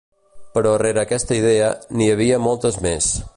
Però rere aquesta idea n’hi havia moltes més.